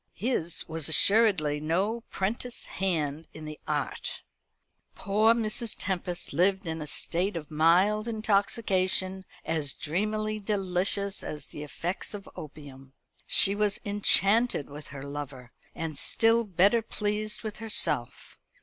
His was assuredly no 'prentice hand in the art. Poor Mrs. Tempest lived in a state of mild intoxication, as dreamily delicious as the effects of opium. She was enchanted with her lover, and still better pleased with herself.